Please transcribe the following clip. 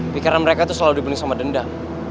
pikiran mereka itu selalu dibunuh sama dendam